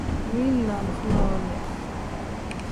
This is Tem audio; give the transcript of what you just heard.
Mili ni alifa nole.